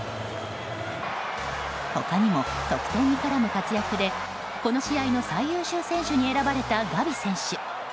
他にも、得点に絡む活躍でこの試合の最優秀選手に選ばれたガヴィ選手。